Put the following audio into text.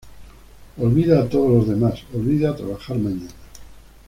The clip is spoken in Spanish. Olvida a todos los demás, olvida trabajar mañana."".